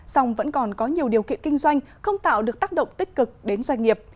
song vẫn còn có nhiều điều kiện kinh doanh không tạo được tác động tích cực đến doanh nghiệp